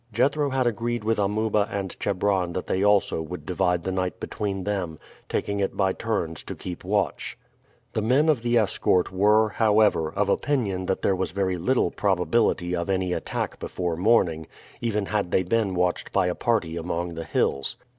Jethro had agreed with Amuba and Chebron that they also would divide the night between them, taking it by turns to keep watch. The men of the escort were, however, of opinion that there was very little probability of any attack before morning, even had they been watched by a party among the hills.